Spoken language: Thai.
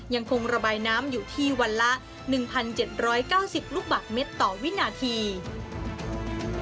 ยังคงระบายน้ำอยู่ที่วันละ๑๗๙๐ลูกบาทเมตรต่อวินาที